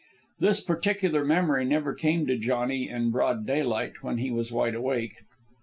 This particular memory never came to Johnny in broad daylight when he was wide awake.